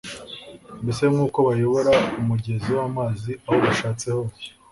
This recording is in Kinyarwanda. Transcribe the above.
mbese nk’uko bayobora umugezi w’amazi aho bashatse hose